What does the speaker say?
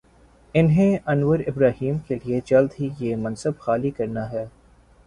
انہیں Anwar Ibrahim کے لیے جلد ہی یہ منصب خالی کر نا ہے۔